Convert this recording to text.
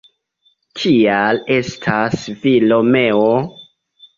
Kial estas vi Romeo?».